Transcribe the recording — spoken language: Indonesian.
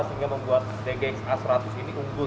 sehingga membuat dgx a seratus ini unggul